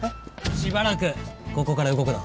しばらくここから動くな。